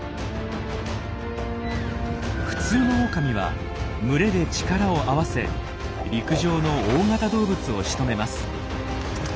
普通のオオカミは群れで力を合わせ陸上の大型動物をしとめます。